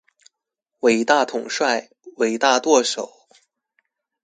偉大統帥、偉大舵手